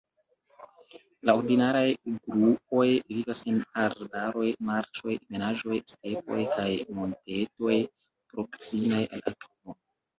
La ordinaraj gruoj vivas en arbaroj, marĉoj, ebenaĵoj, stepoj kaj montetoj proksimaj al akvo.